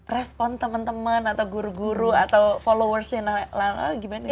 respon temen temen atau guru guru atau followersnya nala gimana nih